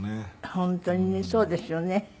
本当にねそうですよね。